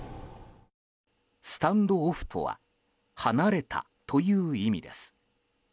スタンド・オフとは離れたという意味です。